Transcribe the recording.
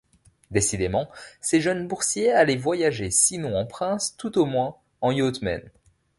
Décidément, ces jeunes boursiers allaient voyager sinon en princes, tout au moins en yachtmen.